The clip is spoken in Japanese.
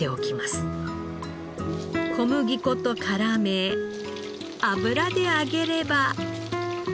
小麦粉と絡め油で揚げれば。